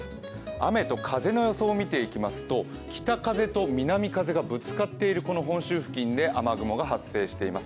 雨と風の予想を見ていきますと、北風と南風がぶつかっているこの本州付近で雨雲が発生しています。